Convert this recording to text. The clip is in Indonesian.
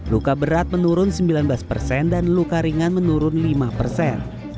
luka berat menurun sembilan belas persen dan luka ringan menurun lima persen